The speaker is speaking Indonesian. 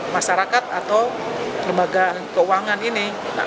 masyarakat atau lembaga keuangan ini